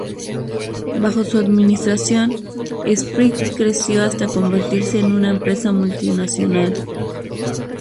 Bajo su administración, Esprit creció hasta convertirse en una empresa multinacional.